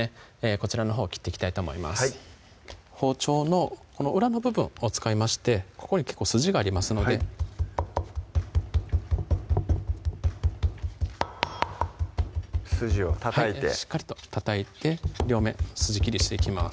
こちらのほう切っていきたいと思います包丁の裏の部分を使いましてここに結構筋がありますので筋をたたいてはいしっかりとたたいて両面筋切りしていきます